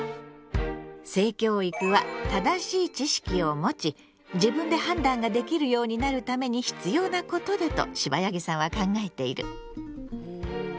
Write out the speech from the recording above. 性教育は正しい知識をもち自分で判断ができるようになるために必要なことだとシバヤギさんは考えている。